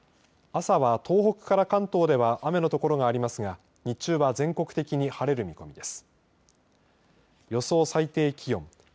朝は東北から関東では雨の所がありますが日中は全国的に晴れる見込みです。